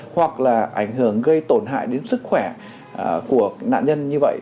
hoặc là ảnh hưởng gây tổn hại đến sức khỏe của nạn nhân như vậy